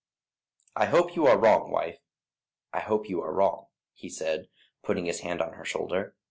"I hope you are wrong, wife; I hope you are wrong," he said, putting his hand on her shoulder.